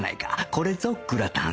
これぞグラタン。